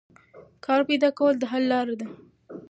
کار پیدا کول د حل لار ده.